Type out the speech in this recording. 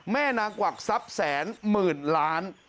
แม่นางกวักทรัพย์แสนหมื่นล้าน